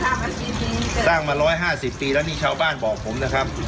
ต้องมาสามอันทีทีสร้างมาร้อยห้าสิบปีแล้วนี่ชาวบ้านบอกผมนะครับ